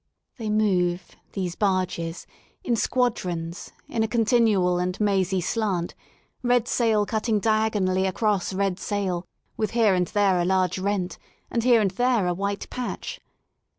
They move, these barges, in squadrons in a continual and mazy slant, red sail cutting diagonally across red sail, with here and there a large rent, and here and there a white patch.